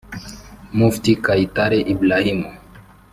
Mufti Kayitare Ibrahim